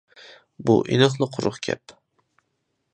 بۇ ئېنىقلا قۇرۇق گەپ .